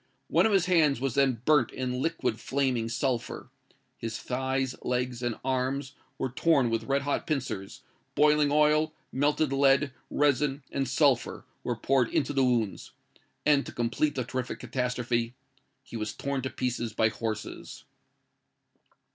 One of his hands was then burnt in liquid flaming sulphur; his thighs, legs, and arms, were torn with red hot pincers: boiling oil, melted lead, resin, and sulphur, were poured into the wounds; and, to complete the terrific catastrophe, he was torn to pieces by horses!"